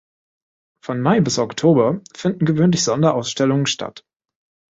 Von Mai bis Oktober finden gewöhnlich Sonderausstellungen statt.